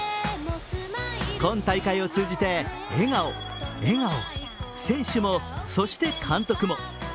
今大会を通じて笑顔、笑顔、選手も、そして監督も。